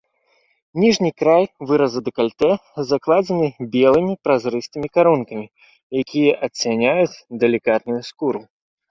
Ніжні край выраза дэкальтэ закладзены белымі празрыстымі карункамі, якія адцяняюць далікатную скуру.